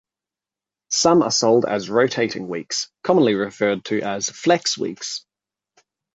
Some are sold as rotating weeks, commonly referred to as "flex" weeks.